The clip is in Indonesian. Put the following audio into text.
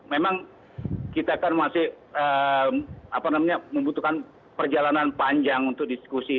memang kita kan masih membutuhkan perjalanan panjang untuk diskusi